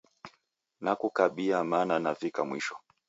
Nakukabia mana navika mwisho